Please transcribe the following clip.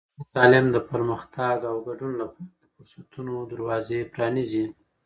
ښځینه تعلیم د پرمختګ او ګډون لپاره د فرصتونو دروازې پرانیزي.